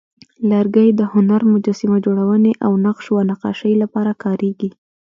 لرګی د هنر، مجسمه جوړونې، او نقش و نقاشۍ لپاره کارېږي.